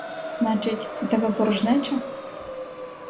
Значить, у тебе порожнеча?